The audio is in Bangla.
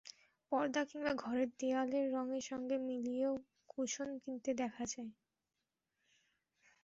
পর্দা কিংবা ঘরের দেয়ালের রঙের সঙ্গে মিলিয়েও কুশন কিনতে দেখা যায়।